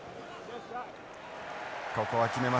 ここは決めます